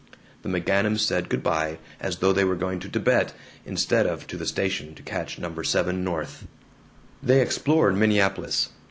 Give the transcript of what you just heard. The McGanums said good by as though they were going to Tibet instead of to the station to catch No. 7 north. They explored Minneapolis.